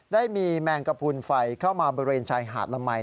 ได้มีแมงกระพุนไฟเข้ามาบริเวณชายหาดละมัย